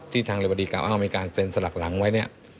ที่ทางเรวดีประธานไว้ว่าเอาไปการเซ็นสลากหลังไว้